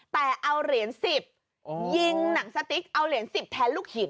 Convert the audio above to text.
แต่เอาเหรียญ๑๐ยิงหนังสติ๊กเอาเหรียญ๑๐แทนลูกหิน